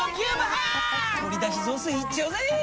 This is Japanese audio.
鶏だし雑炊いっちゃうぜ！